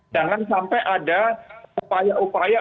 jangan sampai ada upaya upaya